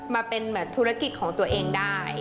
มาเป็นธุรกิจของตัวเองได้